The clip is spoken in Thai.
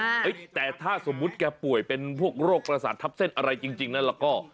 เฮ้ยแต่ถ้าสมมุติแกป่วยเป็นพวกโรคประสาททับเส้นอะไรจริงนั้นแล้วก็